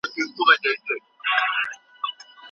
هغوی پوه سول چي دغه تګلاره دولت نه پیاوړی کوي.